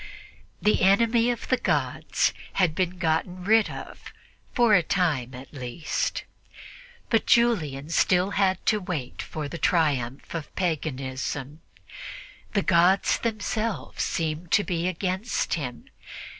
"The enemy of the gods" had been gotten rid of for a time, at least, but Julian had still to wait for the triumph of paganism. The gods themselves seemed to be against him.